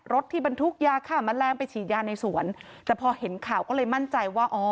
ที่บรรทุกยาฆ่าแมลงไปฉีดยาในสวนแต่พอเห็นข่าวก็เลยมั่นใจว่าอ๋อ